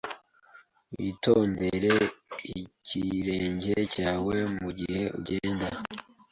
Witondere ikirenge cyawe mugihe ugenda